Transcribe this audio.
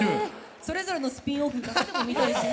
それぞれのスピンオフだって見たいしね。